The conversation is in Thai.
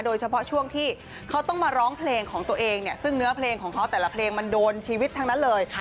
โดยเฉพาะช่วงที่เขาต้องมาร้องเพลงของตัวเองเนี่ยซึ่งเนื้อเพลงของเขาแต่ละเพลงมันโดนชีวิตทั้งนั้นเลย